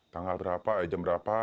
tanggal berapa jam berapa